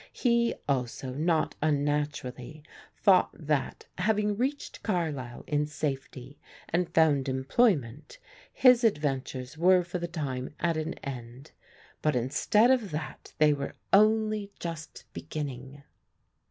He also, not unnaturally thought that, having reached Carlisle in safety and found employment, his adventures were for the time at an end, but instead of that they were only just beginning.